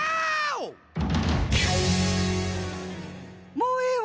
もうええわ！